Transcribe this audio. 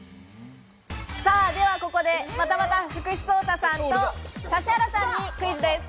ではここで、またまた福士蒼汰さんと指原さんにクイズです。